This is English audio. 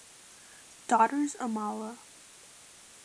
Daughters Amala.